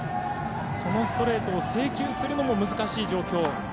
そのストレートを制球するのも難しい状況。